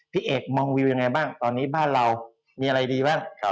พี่เอกมองวิวยังไงบ้างตอนนี้บ้านเรามีอะไรดีบ้าง